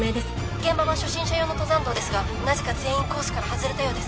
現場は初心者用の登山道ですがなぜか全員コースから外れたようです